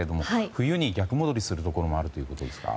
冬に逆戻りするところもあるということですか。